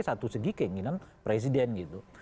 satu segi keinginan presiden gitu